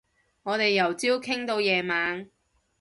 我哋由朝早傾到夜晚